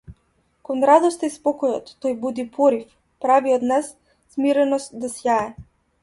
Кон радоста и спокојот тој буди порив, прави од нас смиреност да сјае.